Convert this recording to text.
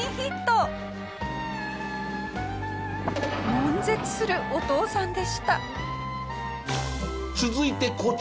悶絶するお父さんでした。